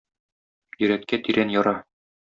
Йөрәккә тирән яра.